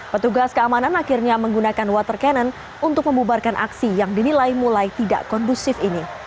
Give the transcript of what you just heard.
petugas keamanan akhirnya menggunakan water cannon untuk membubarkan aksi yang dinilai mulai tidak kondusif ini